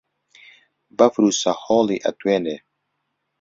بەفر و سەهۆڵی ئەتوێنێ